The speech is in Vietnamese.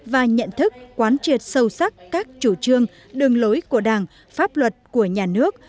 và nhận thức quán triệt sâu sắc các chủ trương đường lối của đảng pháp luật của nhà nước